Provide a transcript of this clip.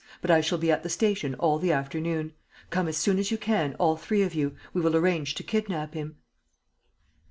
But I shall be at the station all the afternoon. Come as soon as you can, all three of you. We will arrange to kidnap him."